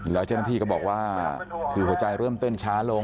แล้วเจ้าหน้าที่ก็บอกว่าคือหัวใจเริ่มเต้นช้าลง